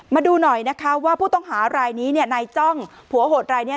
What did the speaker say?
มาดูหน่อยนะคะว่าผู้ต้องหารายนี้เนี่ยนายจ้องผัวโหดรายนี้